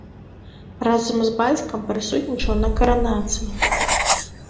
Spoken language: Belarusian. Разам з бацькам прысутнічаў на каранацыі.